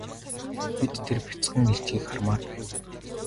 Бид тэр бяцхан илжгийг хармаар байна.